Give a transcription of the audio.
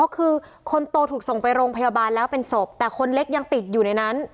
คือคนโตถูกส่งไปโรงพยาบาลแล้วเป็นศพแต่คนเล็กยังติดอยู่ในนั้น